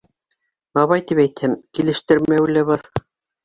Бабай тип әйтһәм, килештермәүе лә бар.